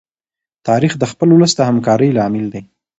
تاریخ د خپل ولس د همکارۍ لامل دی.